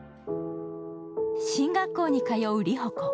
進学校に通う理帆子。